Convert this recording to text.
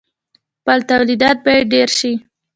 خپل تولیدات باید ډیر شي.